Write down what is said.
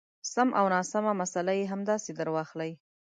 د سم او ناسم مساله یې همداسې درواخلئ.